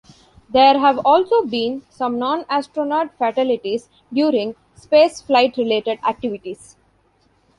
There have also been some non-astronaut fatalities during spaceflight-related activities.